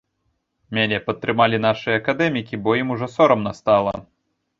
Мяне падтрымалі нашыя акадэмікі, бо ім ужо сорамна стала.